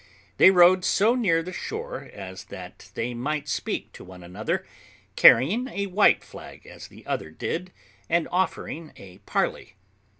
They rowed so near the shore as that they might speak to one another, carrying a white flag, as the other did, and offering a parley.